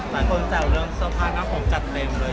หลายคนเจอเรื่องเส้นผ้ากน้ำโผงจัดเต็มเลย